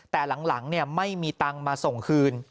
แต่หลังไม่มีตังค์มาส่งคืน